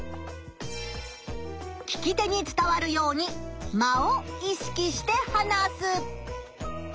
聞き手に伝わるように間を意識して話す。